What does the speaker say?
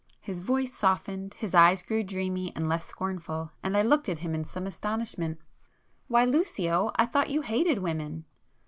His voice softened,—his eyes grew dreamy and less scornful,—and I looked at him in some astonishment. "Why Lucio, I thought you hated women?"